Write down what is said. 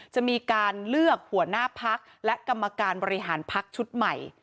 จะมีการเลือกหัวหน้าพักและกรรมการบริหารพักชุดใหม่